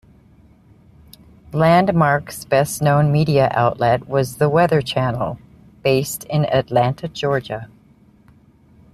Landmark's best-known media outlet was the Weather Channel, based in Atlanta, Georgia.